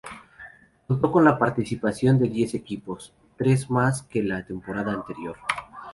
Contó con la participación de diez equipos, tres más que la temporada anterior.